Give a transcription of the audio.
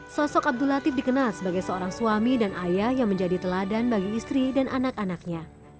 sosok abdul latif dikenal sebagai seorang suami dan ayah yang menjadi teladan bagi istri dan anak anaknya